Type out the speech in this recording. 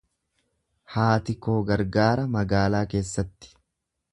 Haati koo gargaara magaalaa keessatti.